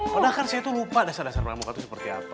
padahal kan saya tuh lupa dasar dasar pramuka itu seperti apa